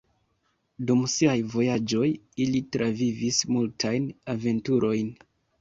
Dum siaj vojaĝoj ili travivis multajn aventurojn.